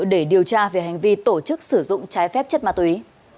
để điều tra về hành vi tổ chức sử dụng trái phép chất ma túy